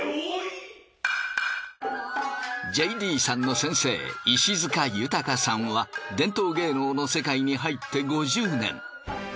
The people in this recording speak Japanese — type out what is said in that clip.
ＪＤさんの先生石塚由孝さんは伝統芸能の世界に入って５０年。